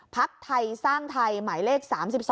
พักไทยสร้างไทยหมายเลข๓๒